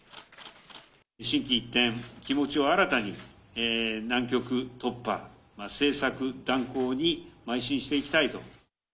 心機一転、気持ちを新たに、難局突破・政策断行にまい進していきたいと。